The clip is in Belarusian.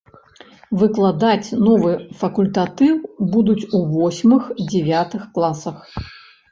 Выкладаць новы факультатыў будуць у восьмых-дзявятых класах.